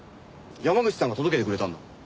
山口さんが届けてくれたんだ。